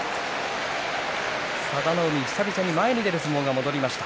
佐田の海、久々に前へ出る相撲が戻りました。